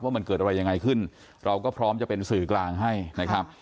ว่ามันเกิดอะไรยังไงขึ้นเราก็พร้อมจะเป็นสื่อกลางให้นะครับ